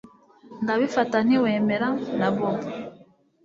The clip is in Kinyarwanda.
Ndabifata ntiwemera na Bobo